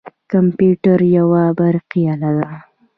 کمپیوتر یوه برقي اله ده.